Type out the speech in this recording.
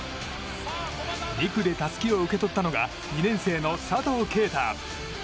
２区でたすきを受け取ったのが２年生の佐藤圭汰。